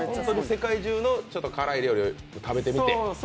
世界中の辛い料理を食べてみて？